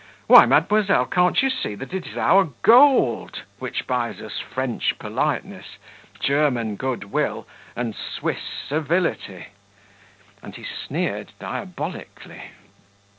Why, mademoiselle, can't you see that it is our GOLD which buys us French politeness, German good will, and Swiss servility?" And he sneered diabolically.